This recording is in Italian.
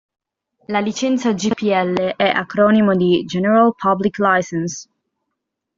La licenza GPL è acronimo di General Public Licence.